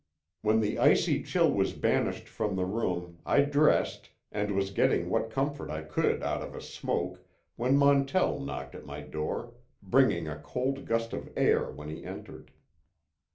When the icy chill was banished from the room, I dressed, and was getting what comfort I could out of a smoke when Montell knocked at my door, bringing a cold gust of air when he entered.